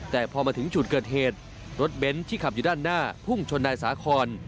แต่พอมาถึงจุดเกิดเหตุรถเบนท์ที่ขับอยู่ด้านหน้าพุ่งชนนายสาคอน